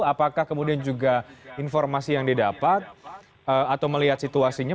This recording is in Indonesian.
apakah kemudian juga informasi yang didapat atau melihat situasinya